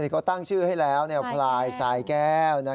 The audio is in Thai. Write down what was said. เขาตั้งชื่อให้แล้วพลายสายแก้ว